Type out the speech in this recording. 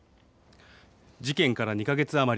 事件から２か月余り。